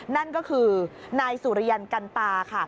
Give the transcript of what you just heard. นั่นก็คือนายสุริยันกันตาค่ะ